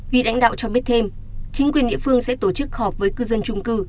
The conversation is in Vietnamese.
vị lãnh đạo cho biết thêm chính quyền địa phương sẽ tổ chức họp với cư dân trung cư